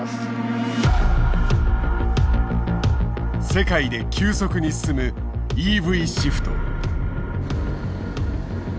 世界で急速に進むＥＶシフト。